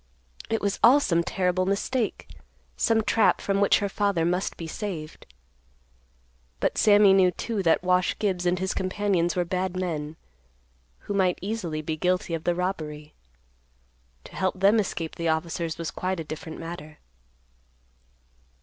It was all some terrible mistake; some trap from which her father must be saved. But Sammy knew, too, that Wash Gibbs and his companions were bad men, who might easily be guilty of the robbery. To help them escape the officers was quite a different matter.